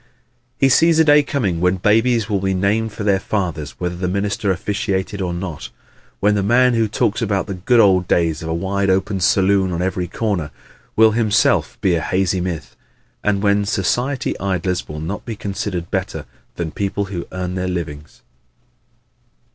He sees a day coming when babies will be named for their fathers whether the minister officiated or not; when the man who now talks about the "good old days of a wide open saloon on every corner" will himself be a hazy myth; and when society idlers will not be considered better than people who earn their livings.